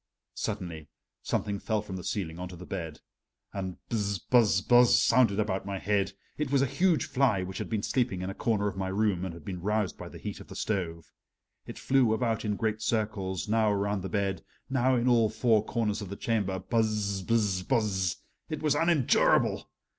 Suddenly something fell from the ceiling onto the bed, and "buzz buzz buzz" sounded about my head. It was a huge fly which had been sleeping in a corner of my room and had been roused by the heat of the stove. It flew about in great circles, now around the bed, now in all four corners of the chamber "buzz buzz buzz" it was unendurable!